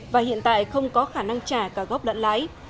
và hiện tại không có khả năng trả cả gốc lẫn lái